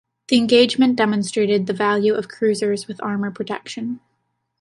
The engagement demonstrated the value of cruisers with armor protection.